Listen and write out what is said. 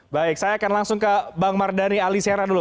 baik saya akan langsung ke bang mardhani alisera dulu